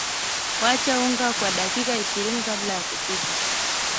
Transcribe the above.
wacha unga kwa dakika ishirini kabla ya kupika